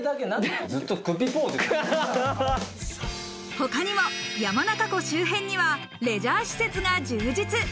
他にも山中湖周辺にはレジャー施設が充実。